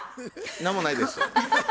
何もないです。